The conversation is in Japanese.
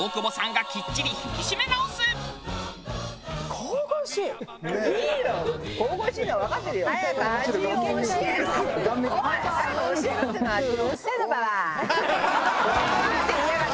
神々しいのはわかってるよ。